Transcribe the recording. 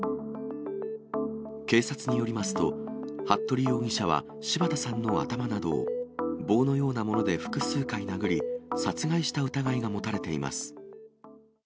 警察によりますと、服部容疑者は柴田さんの頭などを棒のようなもので複数回殴り、殺害した疑いが持たれています。